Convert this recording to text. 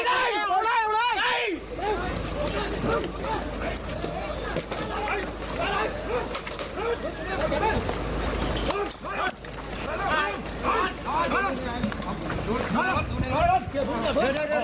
ตอนนี้ครับ